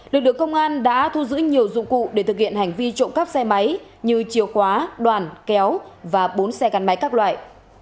lực lượng công an đã thu giữ nhiều dụng cụ để thực hiện hành vi trộm cắp xe máy như chiều khóa đoàn kéo và bốn xe gắn máy các loại